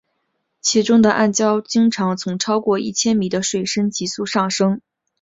其中的暗礁经常从超过一千米的水深急速上升。